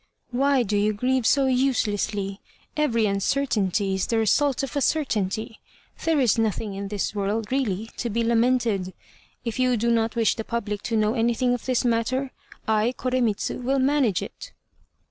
"Why do you grieve so uselessly? Every uncertainty is the result of a certainty. There is nothing in this world really to be lamented. If you do not wish the public to know anything of this matter, I, Koremitz, will manage it."